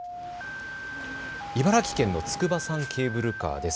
茨城県の筑波山ケーブルカーです。